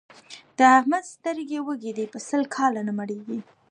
د احمد سترګې وږې دي؛ په سل کاله نه مړېږي.